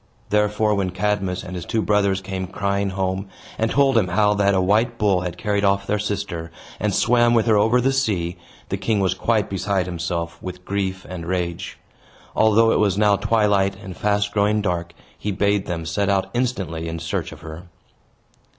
Therefore, when Cadmus and his two brothers came crying home, and told him how that a white bull had carried off their sister, and swam with her over the sea, the king was quite beside himself with grief and rage. Although it was now twilight, and fast growing dark, he bade them set out instantly in search of her.